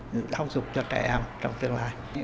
giáo dục cho trẻ em trong tương lai